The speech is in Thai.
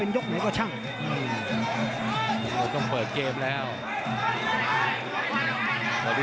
ต้องออกครับอาวุธต้องขยันด้วย